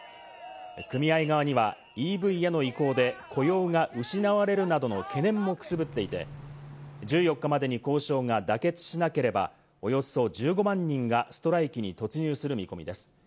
組合側にはＥＶへの移行で、雇用が失われるなどの懸念もくすぶっていて、１４日までに交渉が妥結しなければ、およそ１５万人がストライキに突入する見込みです。